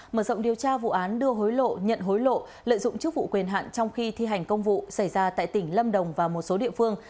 mở rộng điều tra vụ án đưa hối lộ nhận hối lộ lợi dụng chức vụ quyền hạn trong khi thi hành công vụ xảy ra tại tỉnh lâm đồng và một số địa phương